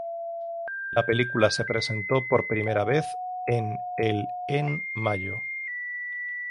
La película se presentó por primera vez en el en mayo.